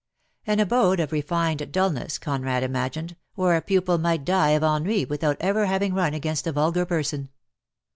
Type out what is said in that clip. An abode of refined dulness, Conrad imagined, where a pupil might die of ennui without ever having run against a vulgar person.